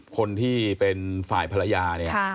คนที่เป็นฝ่ายภรรยาเนี่ย